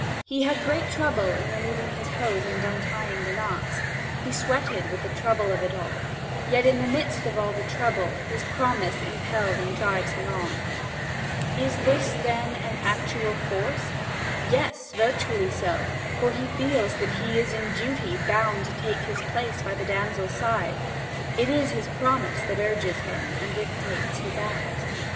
He had great trouble in removing his hose and in untying the knots. He sweated with the trouble of it all; yet, in the midst of all the trouble, his promise impels and drives him on. Is this then an actual force? Yes, virtually so; for he feels that he is in duty bound to take his place by the damsel's side. It is his promise that urges him and dictates his act.